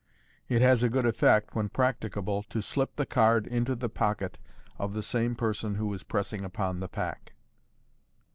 It has a good effect, when practicable, to slip the card into the pocket of the same person who is pressing upon the pack.